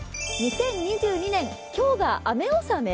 ２０２２年今日が雨納め？